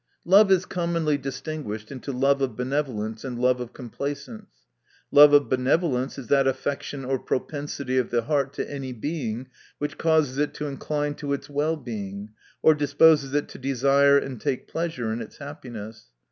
Love is commonly distinguished into love of benevolence and love of com placence. Love of benevolence is that afFection or propensity of the heart to any Being, which causes it to incline to its well being, or disposes it to desire and take pleasure in its happiness.